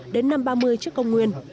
đến năm ba mươi trước công nguyên